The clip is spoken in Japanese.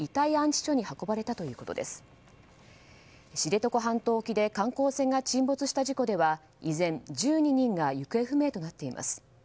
知床半島沖で観光船が沈没した事故では依然、１２人が行方不明となっています。